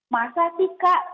masa sih kak